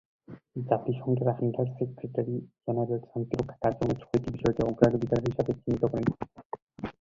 জাতিসংঘের under secretary general শান্তিরক্ষা কার্যক্রমে ছয়টি বিষয়কে অগ্রাধিকার হিসেবে চিহ্নিত করেন।